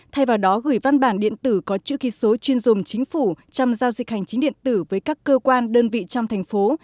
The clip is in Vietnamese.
thay vào đó gửi văn bản điện tử có chữ ký số chuyên dùng chính phủ trong giao dịch hành chính điện tử với các cơ quan đơn vị trong thành phố